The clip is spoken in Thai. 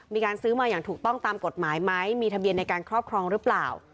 มีการซื้อมาอย่างถูกต้องตามกฎหมายไหมมีทะเบียนในการครอบครองหรือเปล่า